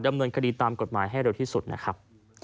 ดำเนินคดีตามกฎหมายให้เร็วที่สุดนะครับ